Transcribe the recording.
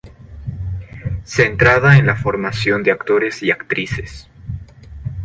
Centrada en la formación de actores y actrices.